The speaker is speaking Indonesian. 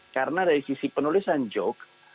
karena dari sisi penulisan joke